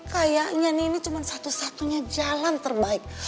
kayaknya nih ini cuma satu satunya jalan terbaik